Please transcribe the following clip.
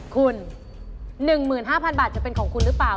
คุณหนึ่งหมื่นห้าพันบาทจะเป็นของคุณหรือเปล่า